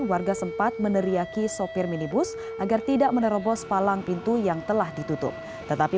warga sempat meneriaki sopir minibus agar tidak menerobos palang pintu yang telah ditutup tetapi